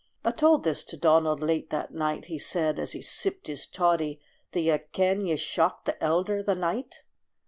'" I told this to Donald late that night; He said, as he sipped his toddy, "Do ye ken ye shocked the elder the night?